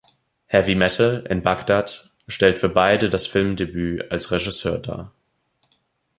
Heavy Metal in Baghdad stellt für beide das Filmdebüt als Regisseur dar.